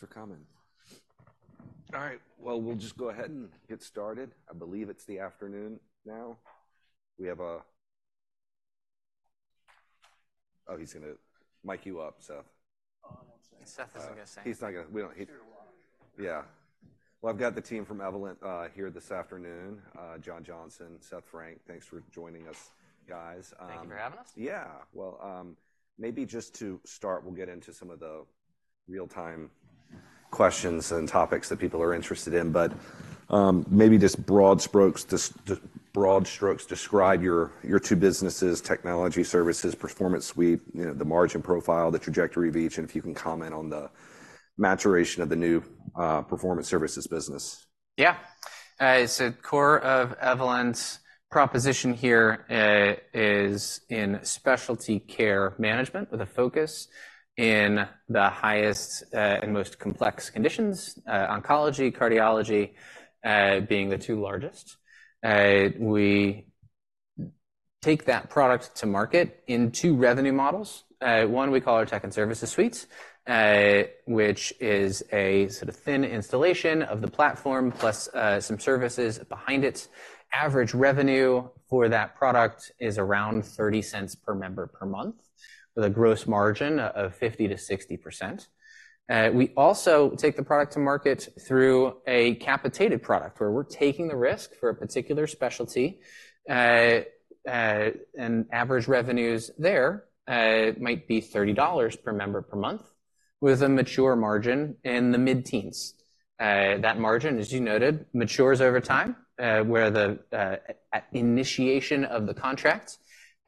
Thanks for coming. All right, well, we'll just go ahead and get started. I believe it's the afternoon now. Oh, he's gonna mic you up, Seth. Oh, I won't say. Seth isn't gonna say. He's not gonna, we don't, he- Sure, why? Yeah. Well, I've got the team from Evolent here this afternoon. John Johnson, Seth Frank, thanks for joining us, guys. Thank you for having us. Yeah. Well, maybe just to start, we'll get into some of the real-time questions and topics that people are interested in. But, maybe just broad strokes, broad strokes, describe your, your two businesses, technology, services, Performance Suite, you know, the margin profile, the trajectory of each, and if you can comment on the maturation of the new, Performance services business. Yeah. So the core of Evolent's proposition here is in specialty care management, with a focus in the highest and most complex conditions, oncology, cardiology, being the two largest. We take that product to market in two revenue models. One we call our Tech and Services Suite, which is a sort of thin installation of the platform, plus some services behind it. Average revenue for that product is around $0.30 per member per month, with a gross margin of 50%-60%. We also take the product to market through a capitated product, where we're taking the risk for a particular specialty, and average revenues there might be $30 per member per month, with a mature margin in the mid-teens. That margin, as you noted, matures over time, where at initiation of the contract,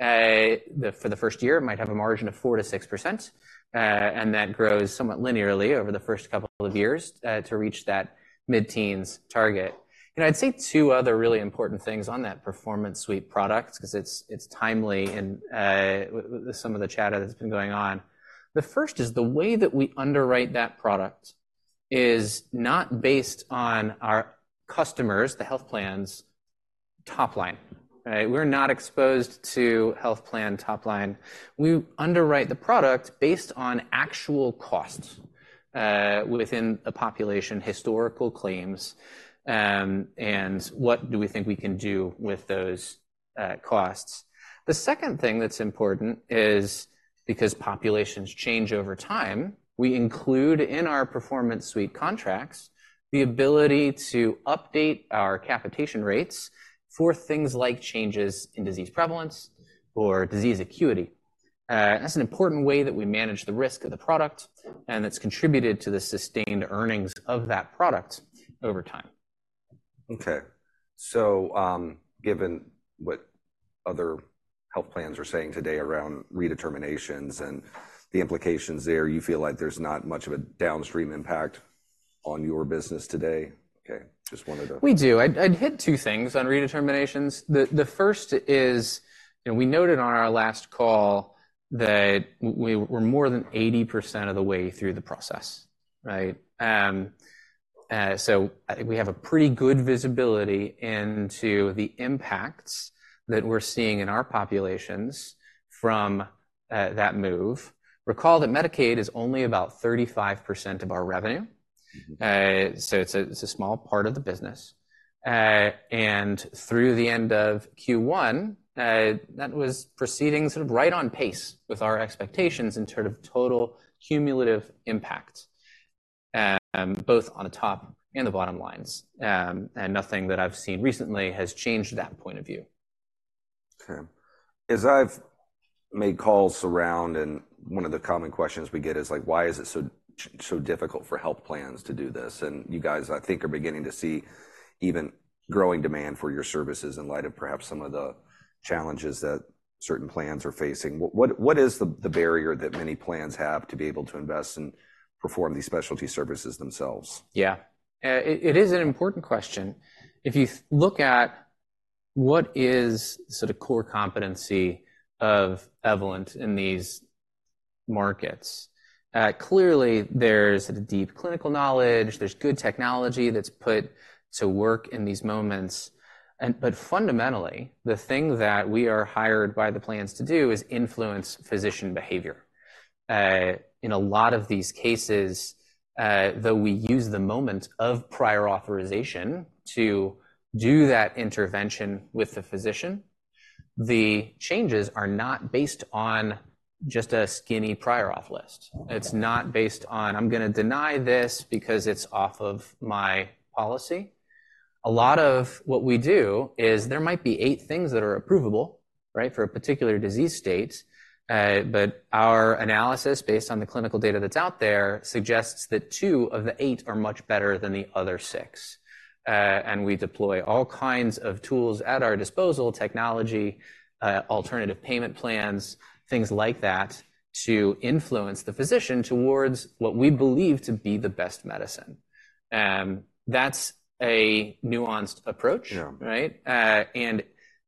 for the first year, it might have a margin of 4%-6%, and that grows somewhat linearly over the first couple of years, to reach that mid-teens target. And I'd say two other really important things on that Performance Suite product, 'cause it's timely in with some of the chatter that's been going on. The first is, the way that we underwrite that product is not based on our customers, the health plan's top line. Right? We're not exposed to health plan top line. We underwrite the product based on actual costs within a population, historical claims, and what do we think we can do with those costs. The second thing that's important is, because populations change over time, we include in our Performance Suite contracts the ability to update our capitation rates for things like changes in disease prevalence or disease acuity. That's an important way that we manage the risk of the product, and it's contributed to the sustained earnings of that product over time. Okay. So, given what other health plans are saying today around redeterminations and the implications there, you feel like there's not much of a downstream impact on your business today? Okay, just wanted to- We do. I'd hit two things on redeterminations. The first is, you know, we noted on our last call that we were more than 80% of the way through the process, right? So I think we have a pretty good visibility into the impacts that we're seeing in our populations from that move. Recall that Medicaid is only about 35% of our revenue. Mm-hmm. So it's a small part of the business. And through the end of Q1, that was proceeding sort of right on pace with our expectations in terms of total cumulative impact, both on the top and the bottom lines. And nothing that I've seen recently has changed that point of view. Okay. As I've made calls around, and one of the common questions we get is, like, why is it so difficult for health plans to do this? And you guys, I think, are beginning to see even growing demand for your services in light of perhaps some of the challenges that certain plans are facing. What is the barrier that many plans have to be able to invest and perform these specialty services themselves? Yeah. It is an important question. If you look at what is sort of core competency of Evolent in these markets, clearly there's a deep clinical knowledge, there's good technology that's put to work in these moments, and, but fundamentally, the thing that we are hired by the plans to do is influence physician behavior. In a lot of these cases, though we use the moment of prior authorization to do that intervention with the physician, the changes are not based on just a skinny prior auth list. Okay. It's not based on, "I'm gonna deny this because it's off of my policy." A lot of what we do is, there might be eight things that are approvable, right, for a particular disease state, but our analysis, based on the clinical data that's out there, suggests that two of the eight are much better than the other six. And we deploy all kinds of tools at our disposal, technology, alternative payment plans, things like that, to influence the physician towards what we believe to be the best medicine. That's a nuanced approach. Yeah. Right? And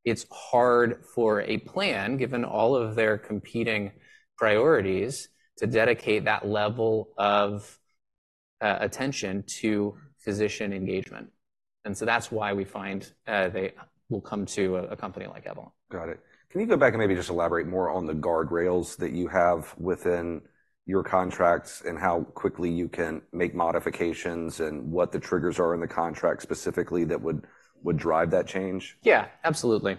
it's hard for a plan, given all of their competing priorities, to dedicate that level of attention to physician engagement... and so that's why we find they will come to a company like Evolent. Got it. Can you go back and maybe just elaborate more on the guardrails that you have within your contracts, and how quickly you can make modifications, and what the triggers are in the contract specifically that would drive that change? Yeah, absolutely.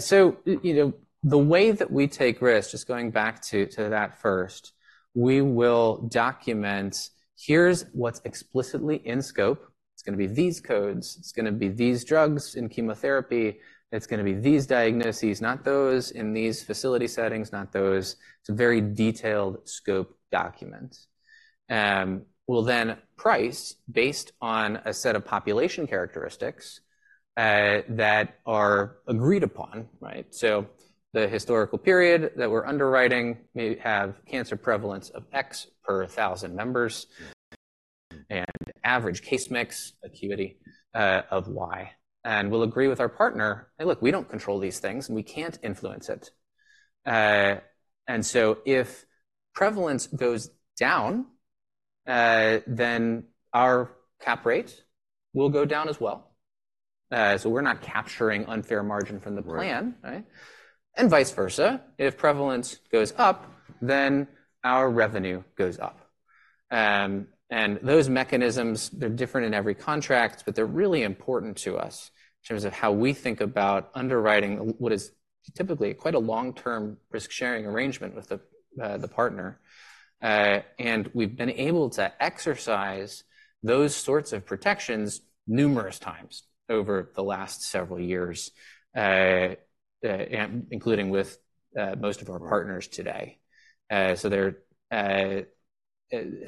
So you know, the way that we take risks, just going back to that first, we will document: here's what's explicitly in scope. It's gonna be these codes, it's gonna be these drugs in chemotherapy, it's gonna be these diagnoses, not those, in these facility settings, not those. It's a very detailed scope document. We'll then price based on a set of population characteristics that are agreed upon, right? So the historical period that we're underwriting may have cancer prevalence of X per thousand members- Mm... and average case mix acuity of Y. And we'll agree with our partner, "Hey, look, we don't control these things, and we can't influence it." And so if prevalence goes down, then our cap rate will go down as well. So we're not capturing unfair margin from the plan- Right... right? And vice versa. If prevalence goes up, then our revenue goes up. And those mechanisms, they're different in every contract, but they're really important to us in terms of how we think about underwriting what is typically quite a long-term risk-sharing arrangement with the the partner. And we've been able to exercise those sorts of protections numerous times over the last several years, including with most of our partners today. So they're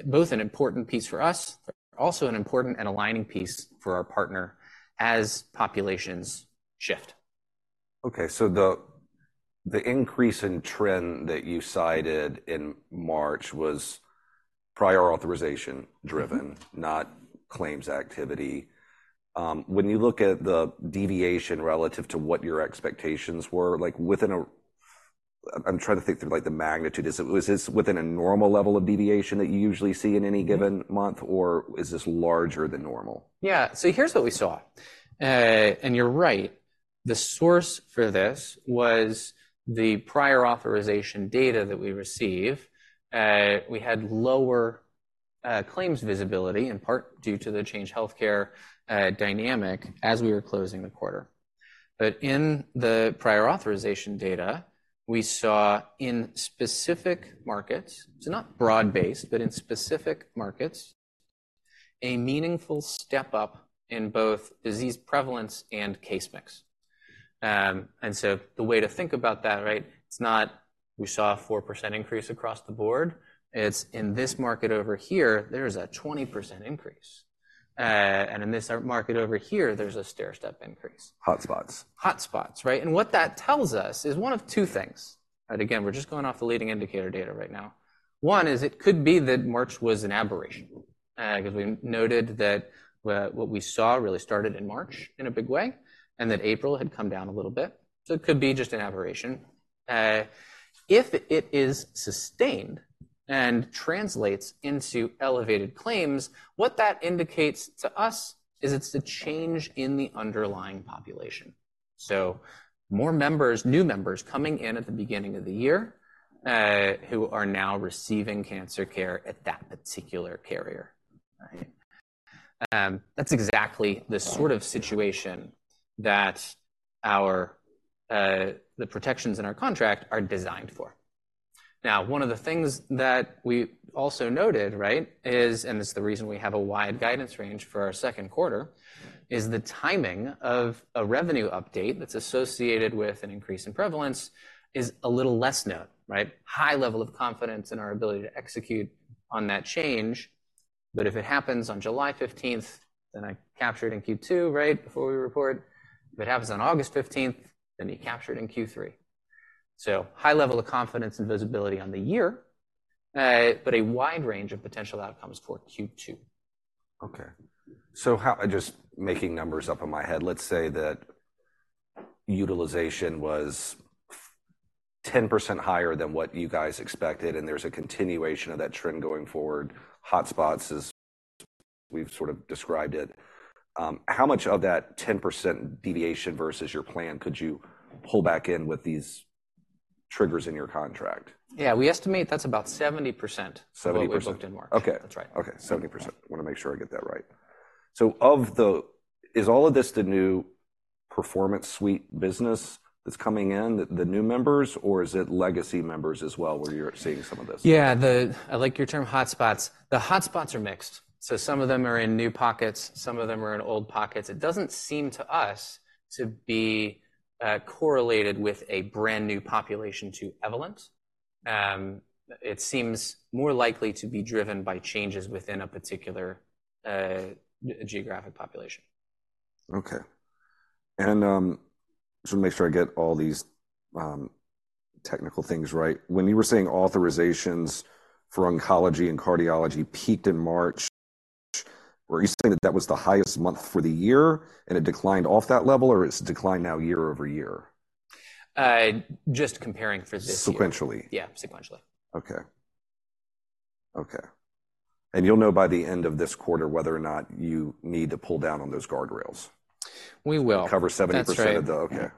both an important piece for us, also an important and aligning piece for our partner as populations shift. Okay, so the increase in trend that you cited in March was prior authorization driven, not claims activity. When you look at the deviation relative to what your expectations were, like, I'm trying to think through, like, the magnitude. Was this within a normal level of deviation that you usually see in any given month, or is this larger than normal? Yeah, so here's what we saw. And you're right, the source for this was the prior authorization data that we receive. We had lower claims visibility, in part due to the changed healthcare dynamic, as we were closing the quarter. But in the prior authorization data, we saw in specific markets, so not broad-based, but in specific markets, a meaningful step-up in both disease prevalence and case mix. And so the way to think about that, right, it's not we saw a 4% increase across the board. It's in this market over here, there's a 20% increase. And in this market over here, there's a stairstep increase. Hotspots. Hotspots, right? And what that tells us is one of two things, and again, we're just going off the leading indicator data right now. One is it could be that March was an aberration, 'cause we noted that what we saw really started in March in a big way, and that April had come down a little bit, so it could be just an aberration. If it is sustained and translates into elevated claims, what that indicates to us is it's the change in the underlying population. So more members, new members, coming in at the beginning of the year, who are now receiving cancer care at that particular carrier, right? That's exactly the sort of situation that our the protections in our contract are designed for. Now, one of the things that we also noted, right, is, and this is the reason we have a wide guidance range for our second quarter, is the timing of a revenue update that's associated with an increase in prevalence is a little less known, right? High level of confidence in our ability to execute on that change, but if it happens on July fifteenth, then I capture it in Q2, right, before we report. If it happens on August fifteenth, then we capture it in Q3. So high level of confidence and visibility on the year, but a wide range of potential outcomes for Q2. Okay. So how—just making numbers up in my head, let's say that utilization was ten percent higher than what you guys expected, and there's a continuation of that trend going forward. Hotspots, as we've sort of described it. How much of that ten percent deviation versus your plan could you pull back in with these triggers in your contract? Yeah, we estimate that's about 70%- 70%... of what we booked in March. Okay. That's right. Okay, 70%. Wanna make sure I get that right. So of the... Is all of this the new Performance Suite business that's coming in, the, the new members, or is it legacy members as well, where you're seeing some of this? Yeah, I like your term hotspots. The hotspots are mixed, so some of them are in new pockets, some of them are in old pockets. It doesn't seem to us to be correlated with a brand-new population to Evolent. It seems more likely to be driven by changes within a particular geographic population. Okay. And, just wanna make sure I get all these, technical things right. When you were saying authorizations for oncology and cardiology peaked in March, were you saying that that was the highest month for the year, and it declined off that level, or it's declined now year over year? Just comparing for this year. Sequentially? Yeah, sequentially. Okay. Okay. And you'll know by the end of this quarter whether or not you need to pull down on those guardrails? We will. Cover 70% of the- That's right. Okay.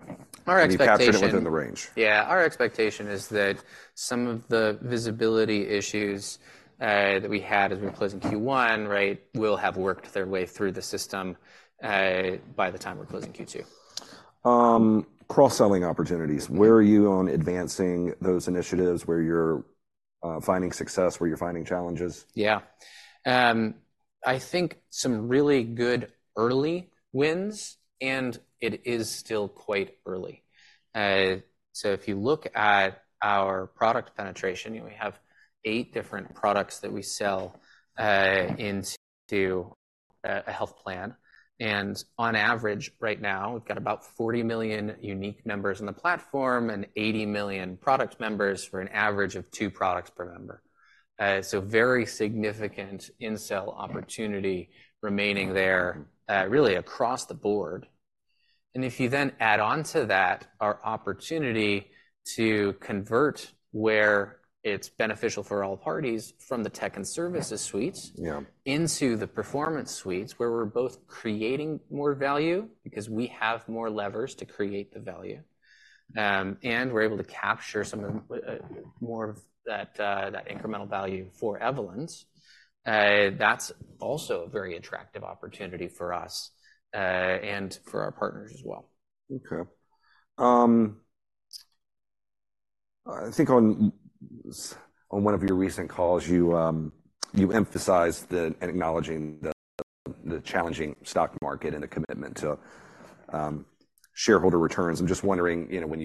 Our expectation- You captured it within the range? Yeah, our expectation is that some of the visibility issues that we had as we closed in Q1, right, will have worked their way through the system by the time we're closing Q2. Cross-selling opportunities, where are you on advancing those initiatives, where you're finding success, where you're finding challenges? Yeah. I think some really good early wins, and it is still quite early. So if you look at our product penetration, we have eight different products that we sell into a health plan, and on average, right now, we've got about 40 million unique members in the platform and 80 million product members for an average of two products per member. So very significant in-sell opportunity remaining there, really across the board. And if you then add on to that, our opportunity to convert where it's beneficial for all parties from the Tech and Services Suites- Yeah... into the Performance Suites, where we're both creating more value because we have more levers to create the value. And we're able to capture some of more of that incremental value for Evolent's. That's also a very attractive opportunity for us, and for our partners as well. Okay. I think on one of your recent calls, you, you emphasized that acknowledging the challenging stock market and the commitment to shareholder returns. I'm just wondering, you know, when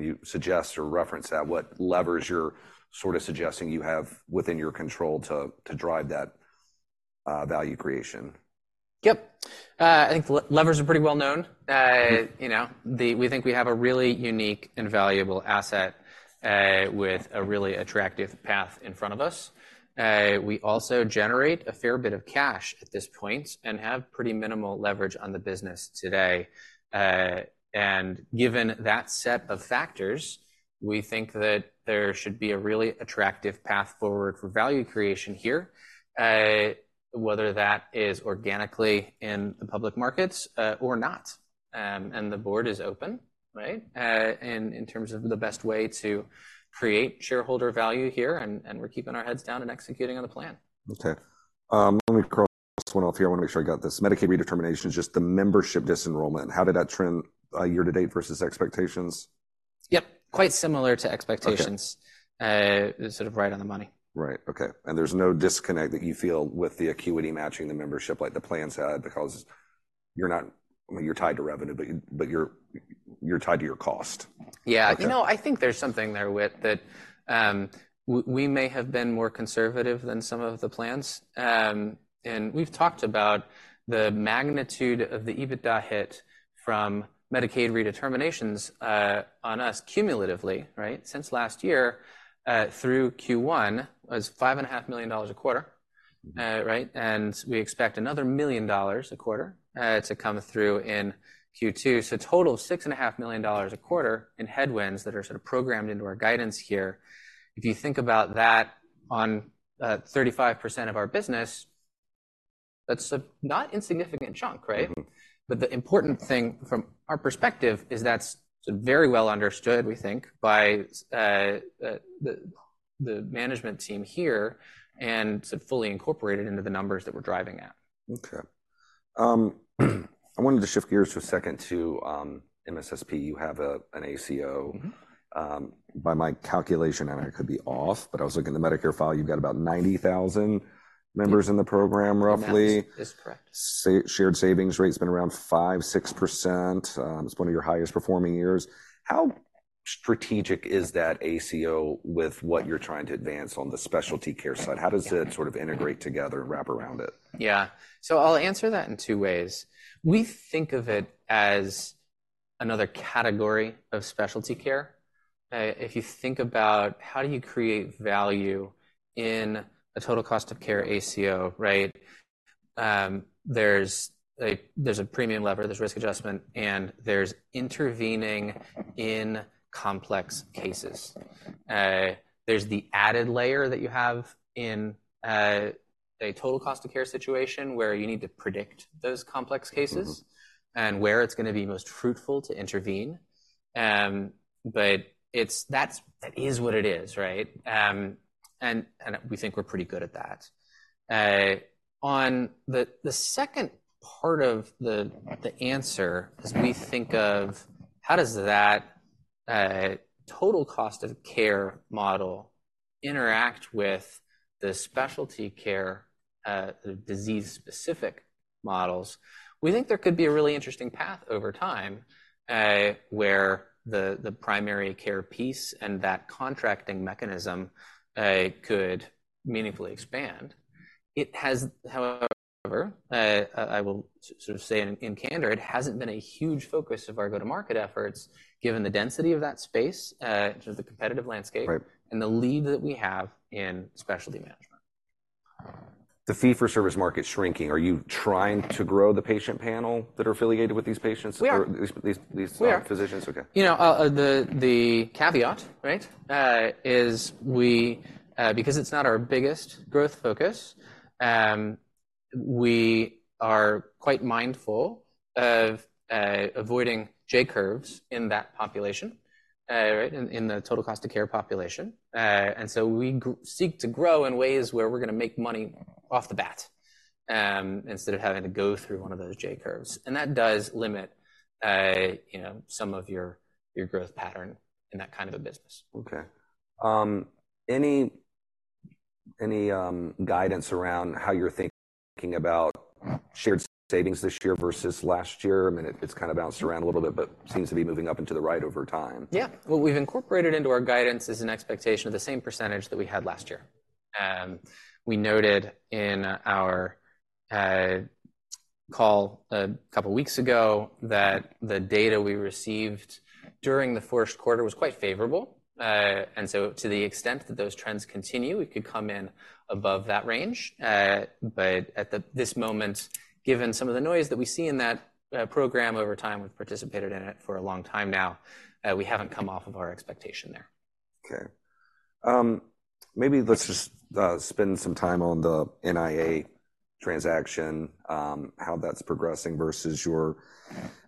you suggest or reference that, what levers you're sort of suggesting you have within your control to drive that value creation? Yep. I think the levers are pretty well known. You know, we think we have a really unique and valuable asset, with a really attractive path in front of us. We also generate a fair bit of cash at this point and have pretty minimal leverage on the business today. And given that set of factors, we think that there should be a really attractive path forward for value creation here, whether that is organically in the public markets, or not. And the board is open, right, in terms of the best way to create shareholder value here, and we're keeping our heads down and executing on the plan. Okay. Let me cross one off here. I want to make sure I got this. Medicaid redetermination, just the membership disenrollment, how did that trend year to date versus expectations? Yep, quite similar to expectations. Okay. Sort of right on the money. Right. Okay. And there's no disconnect that you feel with the acuity matching the membership, like the plans had because you're not... Well, you're tied to revenue, but you're tied to your cost. Yeah. Okay. You know, I think there's something there, Whit, that, we may have been more conservative than some of the plans. And we've talked about the magnitude of the EBITDA hit from Medicaid redeterminations, on us cumulatively, right? Since last year, through Q1, was $5.5 million a quarter, right, and we expect another $1 million a quarter, to come through in Q2. So total $6.5 million a quarter in headwinds that are sort of programmed into our guidance here. If you think about that on 35% of our business, that's a not insignificant chunk, right? Mm-hmm. But the important thing from our perspective is that's very well understood, we think, by the management team here and sort of fully incorporated into the numbers that we're driving at. Okay. I wanted to shift gears for a second to MSSP. You have an ACO. Mm-hmm. By my calculation, and I could be off, but I was looking at the Medicare file, you've got about 90,000 members- Yeah... in the program, roughly. That is correct. Shared savings rate has been around 5%-6%. It's one of your highest performing years. How strategic is that ACO with what you're trying to advance on the specialty care side? Yeah. How does it sort of integrate together and wrap around it? Yeah. So I'll answer that in two ways. We think of it as another category of specialty care. If you think about how do you create value in a total cost of care ACO, right? There's a premium lever, there's risk adjustment, and there's intervening in complex cases. There's the added layer that you have in a total cost of care situation where you need to predict those complex cases- Mm-hmm... and where it's gonna be most fruitful to intervene. But it's—that's, that is what it is, right? And we think we're pretty good at that. On the second part of the answer is we think of how does that total cost of care model interact with the specialty care disease-specific models? We think there could be a really interesting path over time, where the primary care piece and that contracting mechanism could meaningfully expand. It has, however, I will sort of say in candor, it hasn't been a huge focus of our go-to-market efforts, given the density of that space, which is the competitive landscape- Right... and the lead that we have in specialty management.... The fee-for-service market's shrinking. Are you trying to grow the patient panel that are affiliated with these patients? We are. -or these, these, these- We are -physicians? Okay. You know, the caveat, right, is we because it's not our biggest growth focus, we are quite mindful of avoiding J-curves in that population, right, in the total cost of care population. And so we seek to grow in ways where we're gonna make money off the bat, instead of having to go through one of those J-curves. And that does limit, you know, some of your growth pattern in that kind of a business. Okay. Any guidance around how you're thinking about shared savings this year versus last year? I mean, it's kind of bounced around a little bit, but seems to be moving up and to the right over time. Yeah. What we've incorporated into our guidance is an expectation of the same percentage that we had last year. We noted in our call a couple of weeks ago that the data we received during the first quarter was quite favorable. And so to the extent that those trends continue, we could come in above that range. But at this moment, given some of the noise that we see in that program over time, we've participated in it for a long time now, we haven't come off of our expectation there. Okay. Maybe let's just spend some time on the NIA transaction, how that's progressing versus your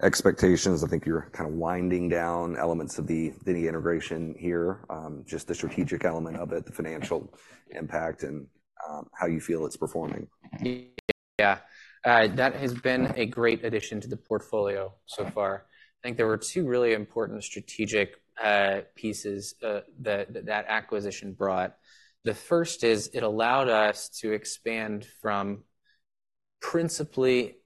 expectations. I think you're kind of winding down elements of the Eviti integration here, just the strategic element of it, the financial impact, and how you feel it's performing. Yeah. That has been a great addition to the portfolio so far. I think there were two really important strategic pieces that acquisition brought. The first is it allowed us to expand from principally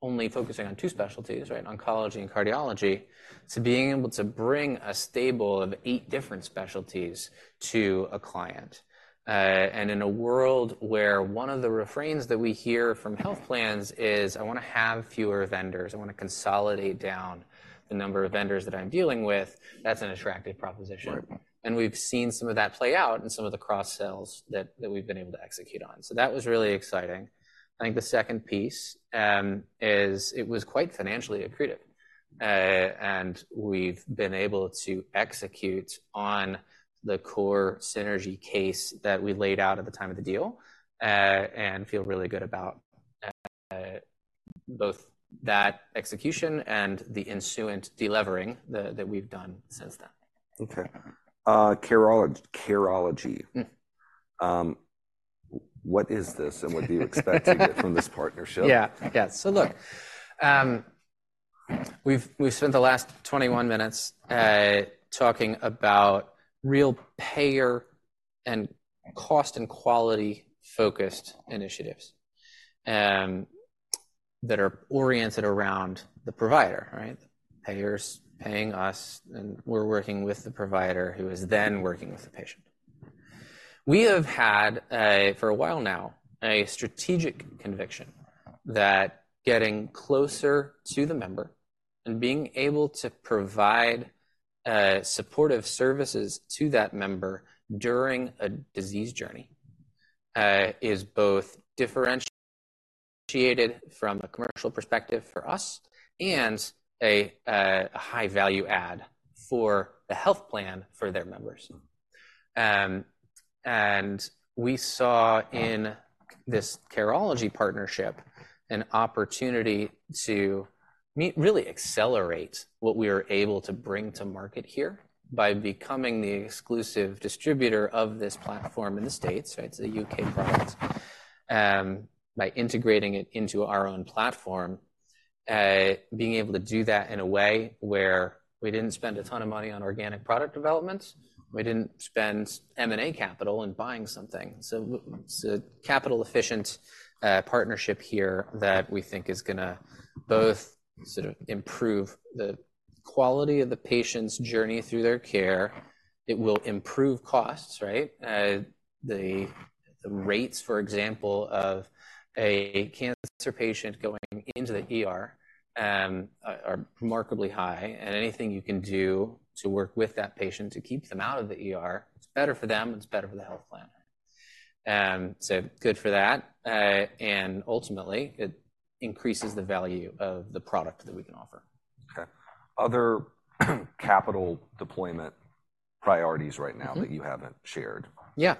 only focusing on two specialties, right, oncology and cardiology, to being able to bring a stable of eight different specialties to a client. And in a world where one of the refrains that we hear from health plans is, "I wanna have fewer vendors. I wanna consolidate down the number of vendors that I'm dealing with," that's an attractive proposition. Right. We've seen some of that play out in some of the cross-sells that we've been able to execute on. That was really exciting. I think the second piece is it was quite financially accretive. And we've been able to execute on the core synergy case that we laid out at the time of the deal, and feel really good about both that execution and the ensuing delevering that we've done since then. Okay. Careology. Mm. What is this, and what do you expect to get from this partnership? Yeah. Yeah. So look, we've spent the last 21 minutes, talking about real payer and cost and quality-focused initiatives, that are oriented around the provider, right? The payer's paying us, and we're working with the provider, who is then working with the patient. We have had, for a while now, a strategic conviction that getting closer to the member and being able to provide supportive services to that member during a disease journey, is both differentiated from a commercial perspective for us and a high-value add for the health plan for their members. And we saw in this Careology partnership an opportunity to really accelerate what we are able to bring to market here by becoming the exclusive distributor of this platform in the States, right? It's a U.K. product. By integrating it into our own platform, being able to do that in a way where we didn't spend a ton of money on organic product development, we didn't spend M&A capital in buying something. So, it's a capital-efficient partnership here that we think is gonna both sort of improve the quality of the patient's journey through their care. It will improve costs, right? The rates, for example, of a cancer patient going into the ER, are remarkably high, and anything you can do to work with that patient to keep them out of the ER, it's better for them, it's better for the health plan. So good for that, and ultimately, it increases the value of the product that we can offer. Okay. Other capital deployment priorities right now- Mm-hmm. -that you haven't shared? Yeah.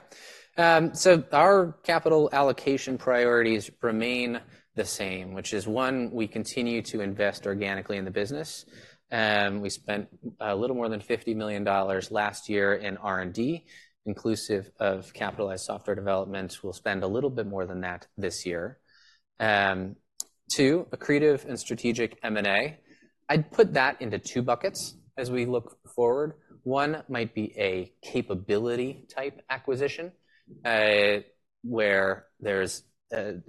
So our capital allocation priorities remain the same, which is, 1, we continue to invest organically in the business, we spent a little more than $50 million last year in R&D, inclusive of capitalized software development. We'll spend a little bit more than that this year. 2, accretive and strategic M&A. I'd put that into 2 buckets as we look forward. 1 might be a capability type acquisition, where there's an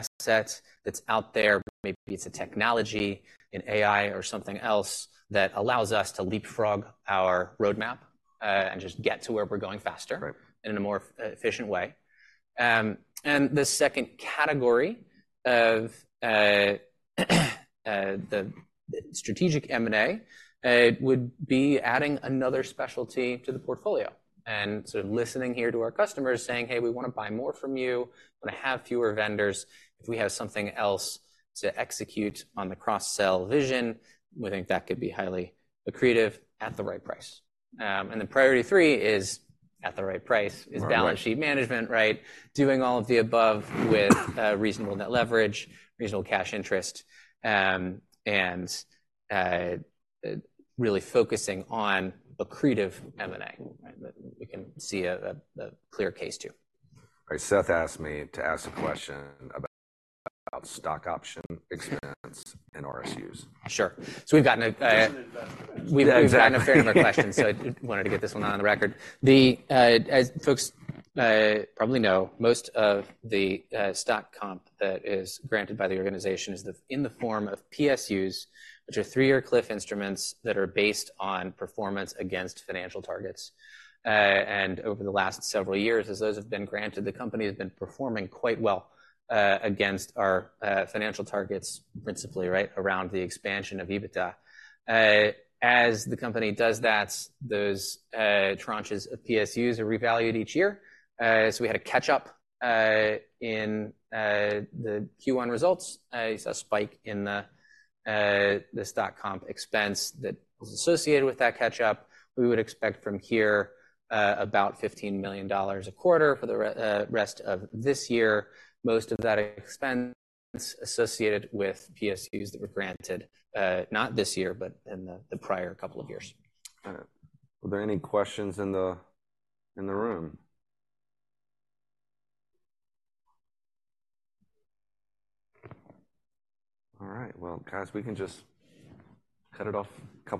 asset that's out there, maybe it's a technology, an AI or something else that allows us to leapfrog our roadmap, and just get to where we're going faster- Right... in a more efficient way. And the second category of the strategic M&A would be adding another specialty to the portfolio. And so listening here to our customers saying: "Hey, we want to buy more from you. We want to have fewer vendors." If we have something else to execute on the cross-sell vision, we think that could be highly accretive at the right price. And then priority three is, at the right price- Right. is balance sheet management, right? Doing all of the above with reasonable net leverage, reasonable cash interest, and really focusing on accretive M&A, right? That we can see a clear case to. All right, Seth asked me to ask a question about stock option expense and RSUs. Sure. So we've gotten a Just an investor question. Yeah, exactly. We've gotten a fair number of questions, so I wanted to get this one on the record. As folks probably know, most of the stock comp that is granted by the organization is in the form of PSUs, which are three-year cliff instruments that are based on performance against financial targets. And over the last several years, as those have been granted, the company has been performing quite well against our financial targets, principally right around the expansion of EBITDA. As the company does that, those tranches of PSUs are revalued each year. So we had a catch-up in the Q1 results, so a spike in the stock comp expense that was associated with that catch-up. We would expect from here, about $15 million a quarter for the rest of this year. Most of that expense associated with PSUs that were granted, not this year, but in the prior couple of years. All right. Were there any questions in the, in the room? All right. Well, guys, we can just cut it off a couple-